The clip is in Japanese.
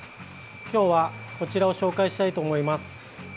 今日はこちらを紹介したいと思います。